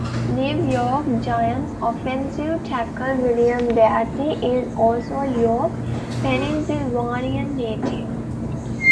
New York Giants Offensive Tackle William Beatty is also a York, Pennsylvania native.